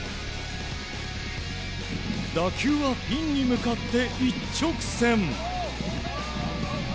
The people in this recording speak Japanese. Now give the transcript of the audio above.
打球はピンに向かって一直線。